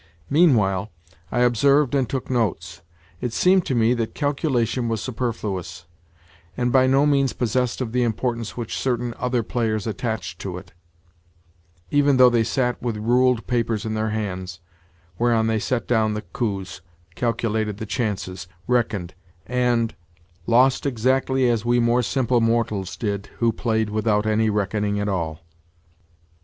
Meanwhile, I observed and took notes. It seemed to me that calculation was superfluous, and by no means possessed of the importance which certain other players attached to it, even though they sat with ruled papers in their hands, whereon they set down the coups, calculated the chances, reckoned, staked, and—lost exactly as we more simple mortals did who played without any reckoning at all.